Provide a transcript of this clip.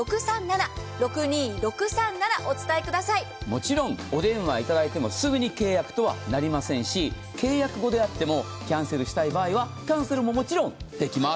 もちろん、お電話いただいてもすぐに契約とはなりませんし契約後であってもキャンセルしたい場合はキャンセルももちろんできます。